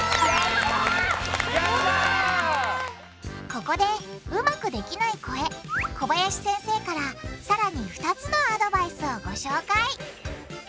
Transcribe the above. ここでうまくできない子へ小林先生からさらに２つのアドバイスをご紹介！